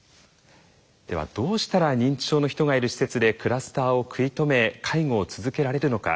ではどうしたら認知症の人がいる施設でクラスターを食い止め介護を続けられるのか。